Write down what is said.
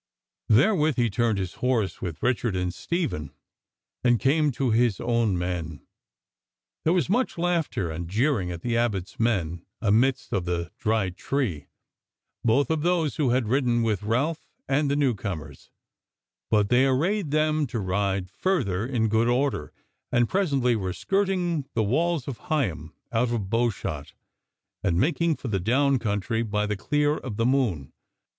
Therewith he turned his horse with Richard and Stephen and came to his own men. There was much laughter and jeering at the Abbot's men amidst of the Dry Tree, both of those who had ridden with Ralph, and the new comers; but they arrayed them to ride further in good order, and presently were skirting the walls of Higham out of bow shot, and making for the Down country by the clear of the moon.